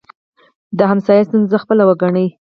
د ګاونډي ستونزه خپله وګڼئ